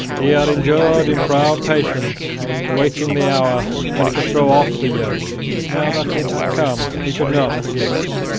He had endured in proud patience awaiting the hour when he could throw off the yoke, and now that it had come he could not forgive.